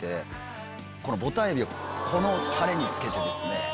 ボタン海老をこのタレに漬けてですね。